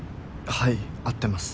はい合ってます。